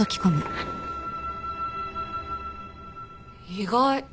意外。